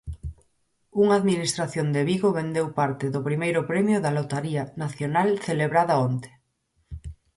Unha administración de Vigo vendeu parte do primeiro premio da Lotaría Nacional celebrada onte.